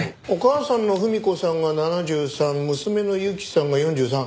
お母さんの文子さんが７３娘の雪さんが４３。